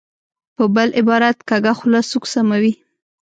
په بل عبارت، کږه خوله سوک سموي.